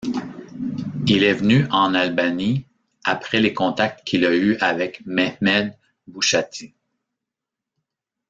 Il est venu en Albanie après les contacts qu'il a eu avec Mehmed Bushati.